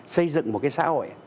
xây dựng một cái xã hội